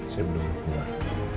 saya belum keluar